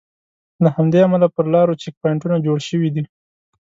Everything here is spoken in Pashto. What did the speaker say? له همدې امله پر لارو چیک پواینټونه جوړ شوي دي.